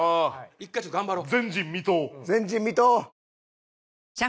一回ちょっと頑張ろう。